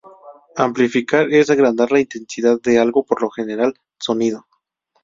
Amplificar es agrandar la intensidad de algo, por lo general, sonido.